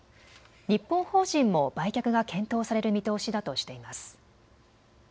日本法人も売却が検討される見通しだとしています。